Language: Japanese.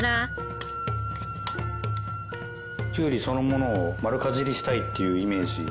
きゅうりそのものを丸かじりしたいっていうイメージ。